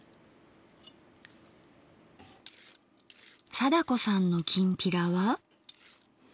貞子さんのきんぴらは？